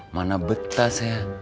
mana betas ya